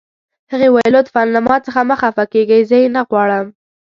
هغې وویل: لطفاً له ما څخه خفه مه کیږئ، زه یې نه غواړم.